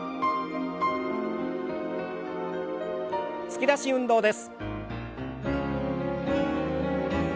突き出し運動です。